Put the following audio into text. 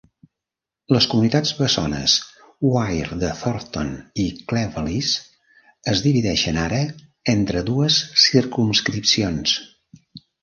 Les comunitats bessones Wyre de Thornton i Cleveleys es divideixen ara entre dues circumscripcions.